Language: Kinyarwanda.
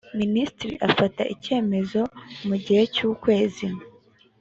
minisitiri afata icyemezo mu gihe cy’ukwezi